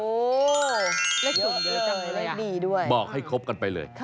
โอ้วเยอะเยอะจังเลยอ่ะบอกให้ครบกันไปเลย